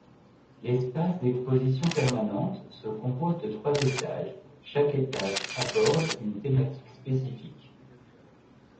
L'espace d'exposition permanente se compose de trois étages, chaque étage aborde une thématique spécifique.